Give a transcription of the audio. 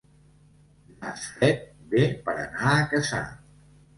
Nas fred, bé per anar a caçar.